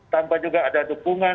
tanpa juga ada dukungan